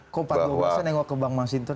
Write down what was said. kok empat dua belas nya nggak kebang mas intun